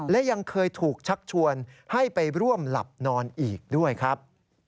และยังเคยถูกชักชวนให้ไปร่วมหลับนอนอีกด้วยครับ